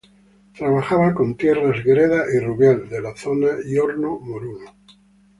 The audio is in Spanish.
Trabajaba con tierras "greda y rubial" de la zona y horno "moruno".